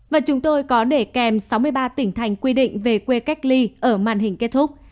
và chúng tôi có để kèm sáu mươi ba tỉnh thành quy định về quê cách ly ở màn hình kết thúc